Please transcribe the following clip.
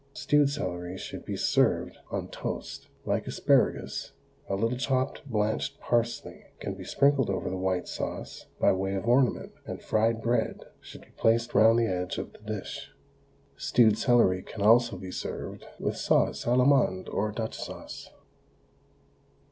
Stewed celery should be served on toast, like asparagus; a little chopped blanched parsley can be sprinkled over the white sauce by way of ornament, and fried bread should be placed round the edge of the dish. Stewed celery can also be served with sauce Allemande or Dutch sauce.